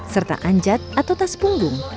serta anjat atau tas punggung